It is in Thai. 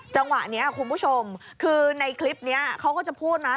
จังหวะนี้คุณผู้ชมคือในคลิปนี้เขาก็จะพูดนะ